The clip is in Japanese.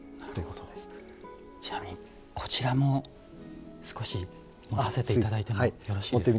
ちなみにこちらも少し持たせて頂いてもよろしいですか？